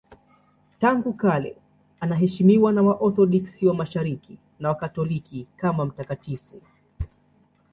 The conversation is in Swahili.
Tangu kale anaheshimiwa na Waorthodoksi wa Mashariki na Wakatoliki kama mtakatifu.